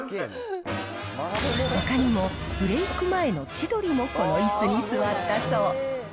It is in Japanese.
ほかにもブレーク前の千鳥もこのいすに座ったそう。